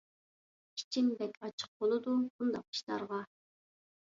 ئىچىم بەك ئاچچىق بولىدۇ بۇنداق ئىشلارغا.